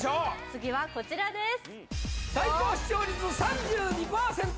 次はこちらです